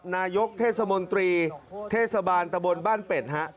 นายกเทศมนตรีเทศบาลตะบนบ้านเป็ดฮะ